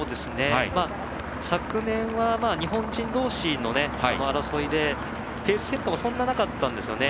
昨年は日本人同士の争いでペース設定もそんなになかったんですよね。